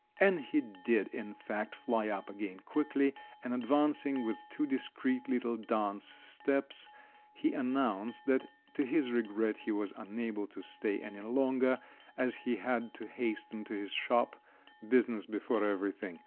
And he did in fact fly up again quickly, and advancing with two discreet little dance steps, he announced that to his regret he was unable to stay any longer, as he had to hasten to his shop—business before everything!